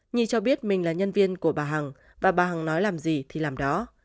nhi cho biết mình là nhân viên của bà hằng và bà hằng nói làm gì thì làm đó